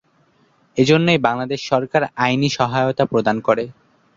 এজন্যই বাংলাদেশ সরকার আইনি সহায়তা প্রদান করে।